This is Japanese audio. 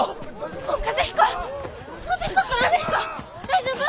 大丈夫？